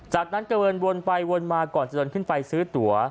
จากนั้นกระเวินวนไปวนมาก่อนจะถึงไฟซื้อตั๋ว